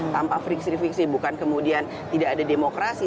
tanpa fiksi fiksi bukan kemudian tidak ada demokrasi